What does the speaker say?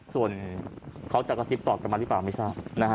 ส่วนเขาจะกระซิบตอบกลับมาหรือเปล่าไม่ทราบ